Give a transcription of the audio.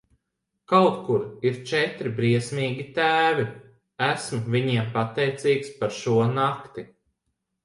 Kaut kur ir četri briesmīgi tēvi, esmu viņiem pateicīgs par šo nakti.